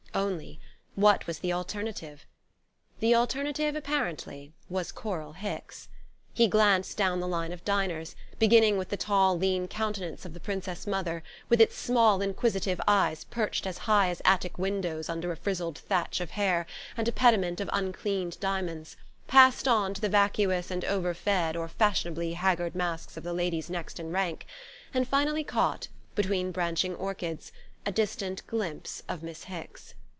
Only what was the alternative? The alternative, apparently, was Coral Hicks. He glanced down the line of diners, beginning with the tall lean countenance of the Princess Mother, with its small inquisitive eyes perched as high as attic windows under a frizzled thatch of hair and a pediment of uncleaned diamonds; passed on to the vacuous and overfed or fashionably haggard masks of the ladies next in rank; and finally caught, between branching orchids, a distant glimpse of Miss Hicks.